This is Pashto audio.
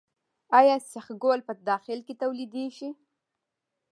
آیا سیخ ګول په داخل کې تولیدیږي؟